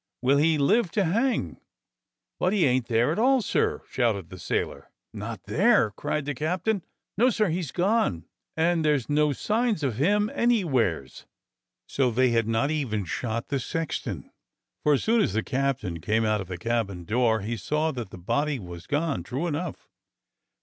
"Will he live to hang?" "But he ain't there at all, sir! " shouted the sailor. "Not there? " cried the captain. "No, sir, he's gone, and there's no signs of him any wheres." So they had not even shot the sexton, for as soon as the captain came out of the cabin door he saw that the body had gone, true enough.